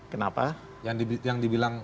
kenapa yang dibilang